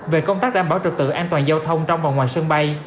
về công tác đảm bảo trực tự an toàn giao thông trong và ngoài sân bay